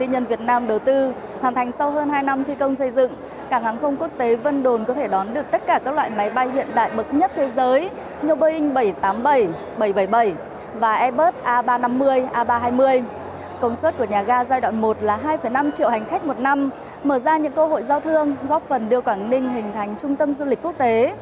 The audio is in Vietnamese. nhà ga giai đoạn một là hai năm triệu hành khách một năm mở ra những cơ hội giao thương góp phần đưa quảng ninh hình thành trung tâm du lịch quốc tế